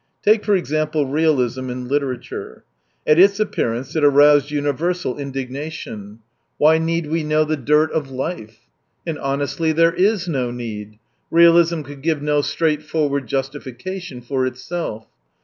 Take for example realism in literature. At its appearance it aroused universal indigna 19 tion. ,Why need we know the dirt of life ? And honestly, there is no need. Realism could give no straightforward justification for itself.